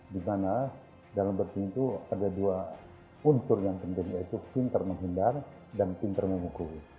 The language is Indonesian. di mana dalam bertin itu ada dua unsur yang penting yaitu pinter menghindar dan pinter memukul